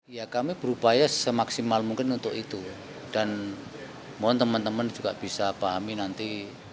ya kami berupaya semaksimal mungkin untuk itu dan mohon teman teman juga bisa pahami nanti